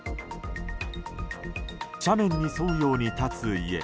斜面に沿うように立つ家。